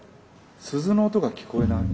鈴の音が聞こえない。